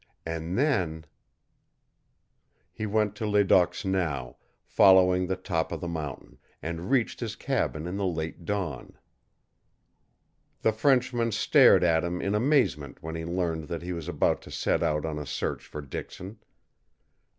And then He went to Ledoq's now, following the top of the mountain, and reached his cabin in the late dawn. The Frenchman stared at him in amazement when he learned that he was about to set out on a search for Dixon.